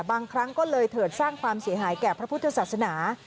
ครั้งก็เลยเถิดสร้างความเสียหายแก่พระพุทธศาสนา